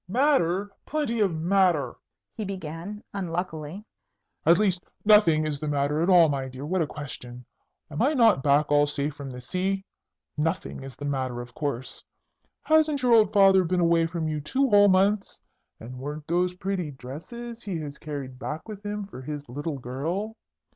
"Matter? Plenty of matter!" he began, unluckily. "At least, nothing is the matter at all, my dear. What a question! Am I not back all safe from the sea? Nothing is the matter, of course! Hasn't your old father been away from you two whole months? And weren't those pretty dresses he has carried back with him for his little girl?